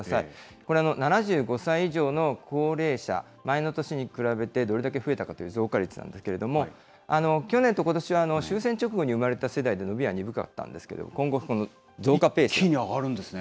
これ、７５歳以上の高齢者、前の年に比べてどれだけ増えたかという増加率なんですけども、去年とことしは、終戦直後に生まれた世代で伸びは鈍かったんですけど、一気に上がるんですね。